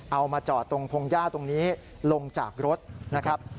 เอามาจอดตรงพงหญ้าตรงนี้ลงจากรถนะครับ